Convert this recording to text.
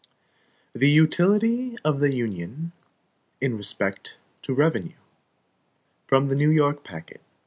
12 The Utility of the Union In Respect to Revenue From the New York Packet.